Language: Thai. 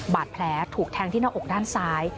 บาดแผลถูกแทงที่หน้าอกด้านซ้าย